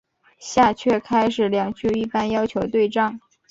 下阕开始两句一般要求对仗。